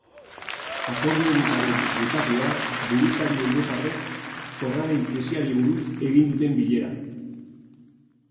Akordiorik gabe bukatu da buruzagi europarrek zorraren krisiari buruz egin duten bilera.